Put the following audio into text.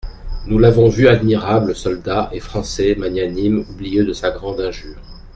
Nous l'avons vu admirable soldat et Français magnanime, oublieux de sa grande injure.